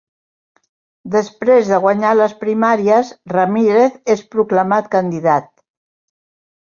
Després de guanyar les primàries, Ramírez és proclamat candidat.